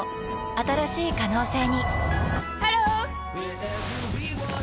新しい可能性にハロー！